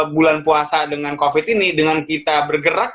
bulan puasa dengan covid ini dengan kita bergerak